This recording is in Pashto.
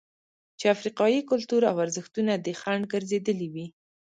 چې افریقايي کلتور او ارزښتونه دې خنډ ګرځېدلي وي.